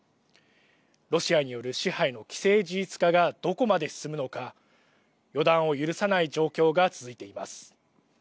ロシアによる支配の既成事実化がどこまで進むのか予断を許さない状況が続いています。